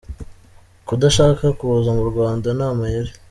Kudashaka kuza mu Rwanda ni amayeri….